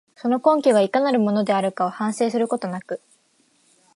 その根拠がいかなるものであるかを反省することなく、